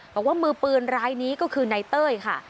บอกว่ามือปืนรายนี้ก็คือนายเต้ยค่ะ